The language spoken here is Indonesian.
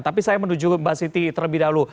tapi saya menuju mbak siti terlebih dahulu